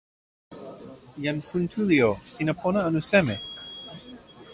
jan Kuntuli o! sina pona anu seme?